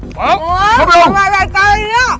โหมันมาเรื่อยอย่างนี้